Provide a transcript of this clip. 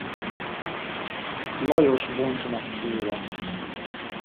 Lajos vont meg tőle.